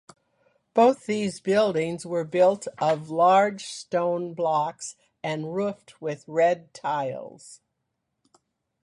Both these buildings were built of large stone blocks and roofed with red tiles.